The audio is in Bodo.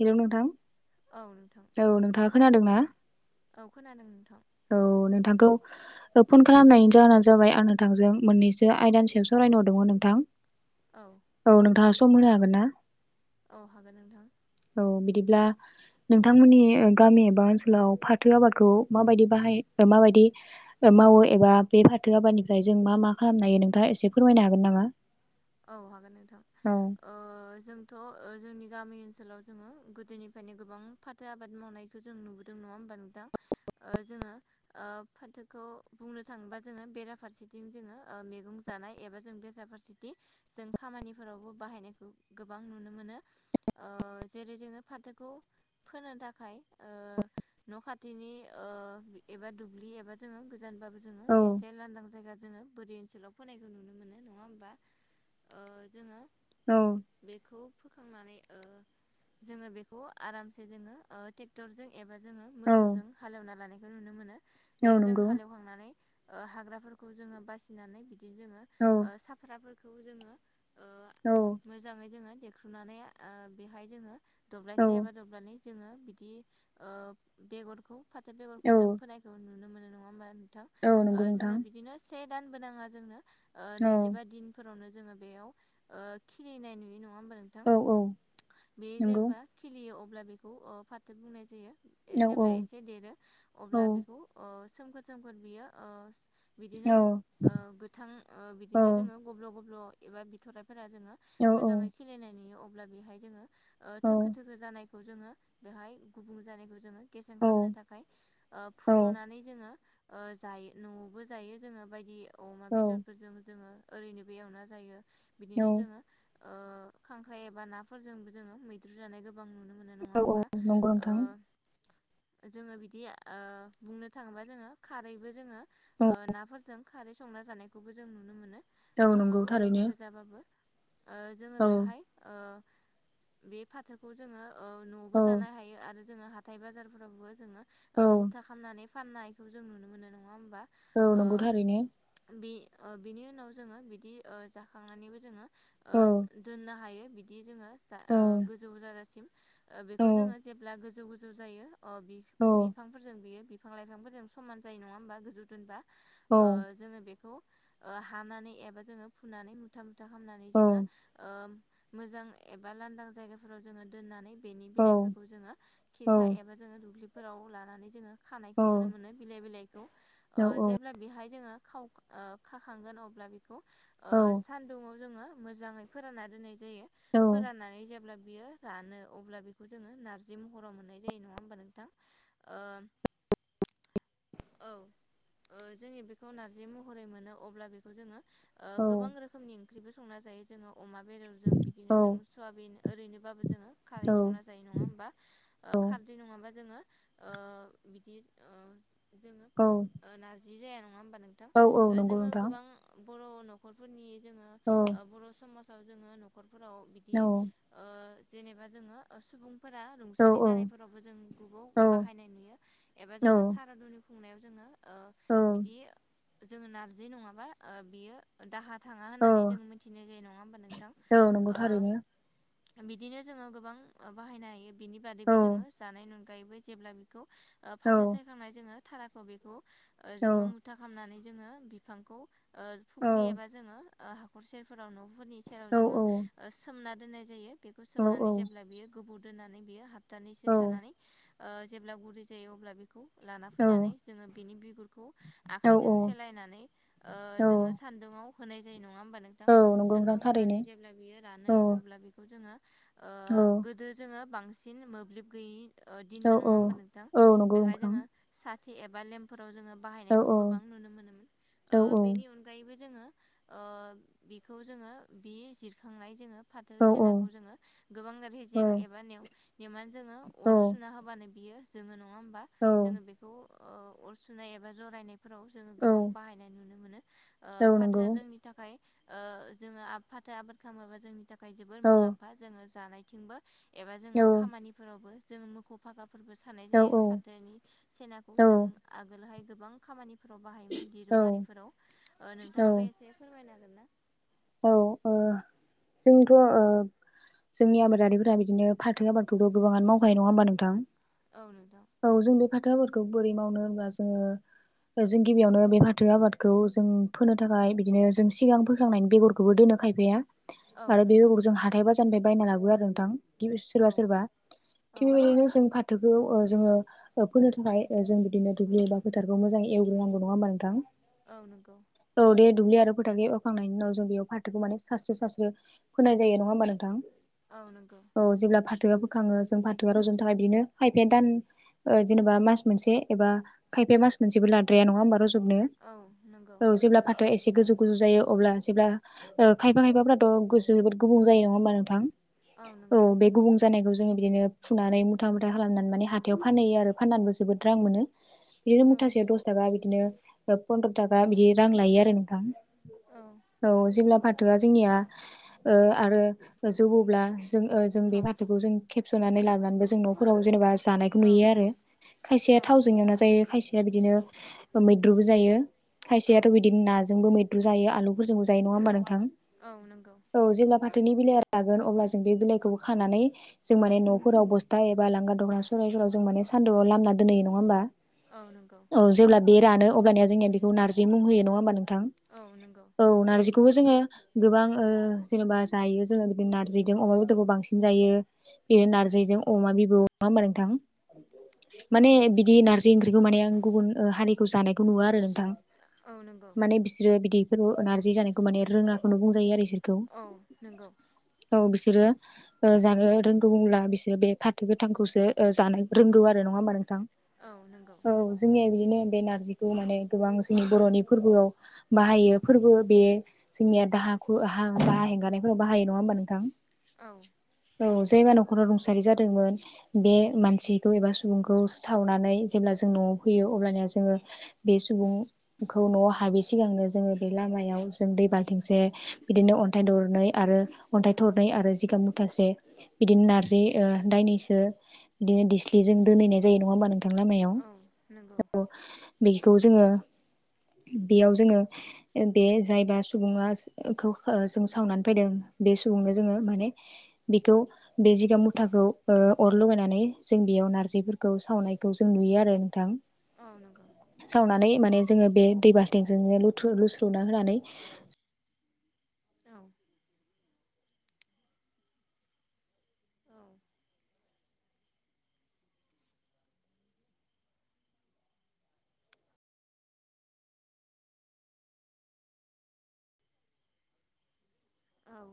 हेलौ नोंथां औ नोंथां औ नोंथाङा खोनादों ना औ खोनादों नोंथां। औ नोंथांखौ फन खालामनायनि जाहोनानो जाबाय आं नोंथांजों मोननैसो आयदानि सायाव साव [inaudible] हरदोंमोन नोंथां औ औ नोंथाङा सम होनो हागोन ना। औ हागोन नोंथां। औ बिदिब्ला। नोंथांमोननि गामि एबा ओनसोलाव फाथो आबादखौ माबायदि बाहाय माबायदि मावो एबा बे फाथो आबादनिफ्राय जों मा मा खालामनो हायो नोंथाङा एसे फोरमायनो हागोन नामा। औ हागोन नोंथां औ ओ जोंथ' जोंनि [inaudible] गामि ओनसोलाव जोङो गोदोनिफ्रायनो गोबां फाथो आबाद मावनायखौ जों नुबोदों नङा होमबा नोंथां। जोङो ओ फाथोखौ बुंनो थाङोबा जोङो बेराफारसेथिं जोङो मैगं जायो। जानाय एबा जों बेजा फारसेथि जों खामानिफोरावबो बाहायनायखौ गोबां नुनो मोनो। ओ जेरै जोङो फाथोखौ फोनो थाखाय ओ न खाथिनिओ एबा दुब्लि एबा जोङो गो जानबाबो जोङो औ एसे लांदां जायगा जोङो बोरि ओनसोलाव फोनायखौ नुनो मोनो नङा होनोमबा ओ जोङो औ बेखौ फोखांनानै ओ जोङो बेखौ आरामसे जोङो ओ ट्रेक्टर जों एबा जोङो औ मोसौजों हालेवना लानायखौ नुनो मोनो औ बेहाय जों नंगौ हालेवखांनानै ओ हाग्राफोरखौ जोङो बासिनानै बिदि जोङो औ ओ साफ्राफोरखौ जोङो ओ औ मोजाङै जोङो देख्रुनानै आ बेहाय जोङो औ दब्लायसे एबा दब्लानै जोङो बिदिओ बेगरखौ फाथो बेगरखौ औ जों फोनायखौ नुनो मोनो नङा होमाबा नोंथां औ ओ नंगौ नोंथां जोङो बिदिनो से दानसो नाङा जोंनो औ नैजिबा दिन नावनो जोङोओ बेयाव खिरलनाय नुयो न नङा होमबा नोंथां औ औ बे नंगौ जेब्ला खिलियो अब्ला ओ बेखौ फाथो बुंनाय जायो औ औ जेब्ला एसे देरो अब्ला औ बेखौओ सोमखोर सोमखोर बियो ओ औ बिदिनोओ गोथांओ औ बिदिनो जोङो गब्ल गब्ल एबा बिथराइ फोरा जोङो औ मोजाङै खिलिनाय नुयो अब्ला बेहाय जोङो ओ औ थोखो थोखो जानायखौ जोङो बेहाय गुबुं जानायखौ जोङो गेसें औ खामनो थाखाय ओ औ फुख्लनानै जोङो ओ जाय नआवबो जायो जोङो बायदि अमा बेदरफोरजों जोङो ओरैनोबो एवना जायो औ बिदिनो जोङो ओ खांख्राइ एबा नाफोरजोंबो जोङो मैद्रु जानाय गोबां नुनो मोनो नङा औ औ होमबा नंगौ नोंथां ओ जोङो बिदिओ बुंनो थाङोबा जोङो खारैबोओ जोङो औ ओ नाफोरजों खारै संना जानायखौबो जों नुनो मोनो औ ओ नंगौ ओरैनो थारैनो गोजाबाबो ओ जोङो औ बेहाय ओ बि फाथोखौ जोङो ओ औ नआवबो जानो हायो आरो औ फाननायखौ जों नुनो मोनो नङा होमबा औ ओ नंगौथारैनो बे ओ बिनि उनाव जोङो बिदिओ जाखांनानैबो जोङो ओ औ दोननो हायो बिदि बिदि जोङो औ जा--ओ गोजौ जाजासिम ओ औ बेखौ जोङो जेब्ला गोजौ गोजौ जाजासिम बेखौ जोङो जेब्ला गोजौ गोजौ जायो अ औ बिफ--बिफांफोरजों बियो बिफां लाइफांफोरजों समान जायो नङा होमबा गोजौ दोनबा ओ जोङो बेखौ ओ हानानै एबा जोङो फुनानै मुथा मुथा खामनानै औ जोङो ओ मोजां एबा लांदां जायगाफोराव दोनानै बेनि बिलाइफोरखौ जोङो औ खिरखा एबा जोङो दुख्लिफोराव लानानै जोङो खानायखौ नुनो मोनो बिलाइ बिलाइखौ ओ जेब्ला बेहाय जोङो खाव ओ खाखांगोन अब्ला बेखौ ओ सानदुंआव जोङो मोजाङै फोरानना दोनाय जायो फोराननानै जेब्ला बियो रानो अब्ला बेखौ जोङो नारजि महराव मोननाय जायो नङा ओमबा नोंथां ओ [inaudible] औ ओ जोंनि बेखौ नारजि महरै मोनो अब्ला बेखौ जोङो ओ गोबां रोखोमनि ओंख्रिबो संना जायो जोङो। अमा बेदर जों बिदिनो जों सवाबिन ओरैनोबाबो जोङो खारै संना जायो नङा ओमबा ओ खारदै नङाबा जोङो ओ बिदि ओ औ जोङो औ नारजि ओ जाया नङा ओम नोंथां औ नंगौ जोङो नोंथां गोबां बर नख'रफोरनि जोङो औ ओ औ बर समास आव जोङो नख'रफोराव बिदि ओ जेनेबा जोङो ओ सुबुं फोरा औ रुंसारि जानायफोरावबो जों गुबाव औ बाहायनाय नुयो एबा जोङो सारादुनि खुंनायाव जोङो ओ औ बिदि जोङो नारजि नङाबा ओ बियो दाहा थाङा औ होननानै जोंङो मिथिनाय जायो नङा ओमबा नोंथां औ नंगौ थारैनो ओ बिदिनो जोङो गोबां ओ बाहायनो हायो बिनि बादैबो जोङो औ जानायनि अनगायैबो जेब्ला बेखौ ओ फाथो सायखांनाय जोङो थाराखौ बेखौ ओ औ जोङो मुथा खालामनानै जोङो बिफांखौ ओ औ फुख्रि एबा जोङो हाखर सेरफोरावनो फोरनि सेराव औ जोङो सोमना दोन्नाय जायो बेखौ औ सोमनानै जेब्ला बियो गोबाव दोननानै बियो सपथानैसो औ थानानै ओ जेब्ला गुरै जायो अब्ला बेखौ लाना औ फैनानै जोङो बिनि बिगुरखौ औ आखाइजों सेलायनानै ओ औ जोङो सान्दुङाव होनाय जायो। नङा होमबा नोंथां औ नंगौ सान्दौ नोंथां थारैनो होनानै जेब्ला बियो रानो औ अब्ला बेखौ जोङो। ओ औ गोदो जोङो बांसिन मोब्लिब गैयि ओ औ दिनमोन नङा औ होमबा नोंथां औ नंगौ बेवहाय नोंथां जोङो साथि एबा लेम फोराव जोङो औ बाहायनायखौ गोबां नुनो मोनोमोन औ ओ बेनि अनगायैबो जोङो ओ बेखौ जोङो बि जिरखांनाय जोङो। फाथो औ सेनाखौ जोङो गोबां रेजें एबा नेउ नेउमान जोङो अर औ सुना होबानो बियो जोङो नङा होमबा औ जोङो बेखौ ओ अर सुनाय एबा जरायनाय‌ फोराव जोङो औ गोबां बाहायनाय नुनो मोनो। ओ औ नंगौ फाथोआ जोंनि थाखाय ओ जोङो फाथो आबाद खालामोबा जोंनि थाखाय थाखाय जोबद औ मुलाम्फा जोङो जानायथिंबो एबा जोङो खामानिफोरावबो जों मोखौ फागा फोरबो सानाय औ जायो ओ फाथोनि सेनाखौ जों जोंथ' आगोलहाय गोबां खामानि फोराव बाहायोमोन दिरुं आरिफोराव ओ नोंथाङाबो एसे फोरमायनो हागोन ना? औ ओ जोंथ' ओ जोंनि आबादारिफोरा बिदिनो फाथो आबादखौथ' गोबाङानो मावखायो नङा होमबा नोंथां? औ नोंथां औ जों बे फाथो आबादखौ बोरै मावनो होनबा जोङो जों गिबियावनो बे फाथो आबादखौ जों फोनो थाखाय बिदिनो जों सिगां फोखांनायनि बेगरखौबो दोनो खायफाया औ आरो नंगौ बेगर जों हाथाय बाजारनिफ्राय बायना लाबो आरो नोंथां। गिब सोरबा औ सोरबा औ थिग बेबायदिनो जों फाथो फाथोखौ ओ जोङो फोनो थाखाय जों बिदिनो दुब्लि एबा फोथारखौ मोजाङै एवग्रोनांगौ नङा होमबा नोंथां। औ नंगौ। औ दे दुब्लि आरो फोथारखो एवखांनायनि उनाव जों बेयाव फाथोखौ माने सारस्रो सारस्रो फोनाय जायो नङा होमबा नोंथां? औ नंगौ औ जेब्ला फाथोआ फोखाङो जों फाथोआ रज'नो थाखाय बिदिनो फाइफे दान ओ जेनेबा मास मोनसे एबा खायफाया मास मोनसेबो लाद्राया नङा होमबा रज जबनो औ नंगौ औ जेब्ला फाथोआ एसे गोजौ गोजौ जायो अब्ला जेब्ला ओ खायफा खायफाफोराथ' गोजौ जोबोद गुबुं जायो नङा हबा नोंथां? औ बे गुबुं जानायखौ जोङो बिदिनो फुनानै मुथा मुथा खालामनानै माने हाथायाव फानहैयो आरो फाननानैबो जोबोद रां मोनो। बिदिनो औ मुथासेयाव दस थाखा बिदिनो पन्द्र थाखा बिदि रां लायो आरो नोंथां। औ औ जेब्ला फाथोआ जोंनिया ओ आरो जौयोब्ला जोङो जों बे फाथोखौ जों खेब सुनानै लाबोनानैबो जों न'फोराव जेनेबा जानायखौ औ नुयो आरो खायसेया थावजों एवना जायो खायसे खायसे बिदिनो मैद्रुबो जायो औ खायसेयाथ' बिदिनो नाजोंबो मैद्रु जायो आलु फोरजों जायो नङा होमबा नोंथां? औ नंगौ। औ जेब्ला फाथोनि बिलाइया रागोन अब्ला जों बे बिलाइखौबो खानानै जों माने न'फोराव बस्था बा लांगा दखना सरायफोराव जों माने सान्दुंयाव लामना दोनहैयो नङा होमबा? औ नंगौ। औ जेब्ला बे रानो अब्लनिया जोंनिया बिखौ नारजि मुं होयो नङा होमबा नों औ नंगौ। औ नारजिखौबो जोङो गोबां ओ जेनेबा जायो जोङो बिदिनो नारजिजों अमा बेदरखौ बांसिन जायो। बे नारजिजों अमा बिबु नङा होमबा नोंथां? औ माने बिदि नारजि ओंख्रिखौ माने आं गुबुन हारिखौ जानायखौ नुवा आरो नोंथां। औ नंगौ माने बिसोरो बिदैफोर नारजि जानायखौ माने रोङाखौनो बुंजायो आरो बिसोरखौ औ नंगौ। औ बिसोरो ओ जानो रोंगौ होनब्ला बिसोरो बे फाथो गोथांखौसो जानो रोंगौ आरो नङा होमबा नोंथां? औ नंगौ औ जोंनिया बिदिनो बे नारजिखौ माने गोबां जोंनि बर'नि फोरबोआव बाहायो। फोरबो बे जोंनिया दाहाखौ हा दाहा हेंगारनायफोराव बाहायो नङा होमबा नोंथां? औ। औ जायबा न'खराव रुंसारि जादोंमोन बे मानसिखौ एबा सुबुंखौ सावनानै जेब्ला जों न'आव फैयो अब्लाना जोङो बे सुबुंखौ न'आव हाबै सिगांनो जोङो लामायाव जों दै बालथिंसे बिदिनो अन्थाइ दरनै आरो अन्थाइरनै आरो जिगाबमुथा से बिदिनो नारजि दायनैसो बिदिनो दिस्लिजों दोनहैनाय जायो नङा होमबा नों थां लामायाव औ। बेखौ जोङो बेयाव जोङो बे जायबा सुबुङा खौ जों सावनानै फैदों बे सुबुंनो जोङो माने बेखौ बे जिगाब मुथाखौ ओ अर लगायनानै जों बेयाव नारजिफोरखौ सावनायखौ जों नुयो आरो नोंथां औ नंगौ सावनानै माने जों बे दै बालथि लुथु लु सौना होनानै औ औ औ।